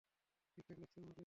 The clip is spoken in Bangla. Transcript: ঠিকঠাক লাগছে আমাকে?